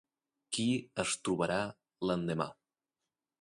Qui es trobarà l'endemà?